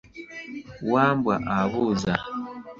Wambwa abuuza.